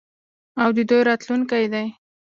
او د دوی راتلونکی دی.